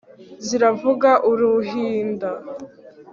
Ziravuga uruhinda